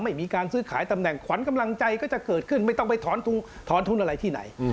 ไม่มีการซื้อขายตำแหน่งขวัญกำลังใจก็จะเกิดขึ้นไม่ต้องไปถอนทุนอะไรที่ไหน